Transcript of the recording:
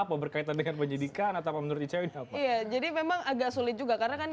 apa berkaitan dengan penyidikan atau menurut cewek jadi memang agak sulit juga karena kan